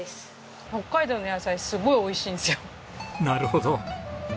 なるほど。